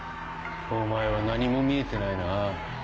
お前は何も見えてないな。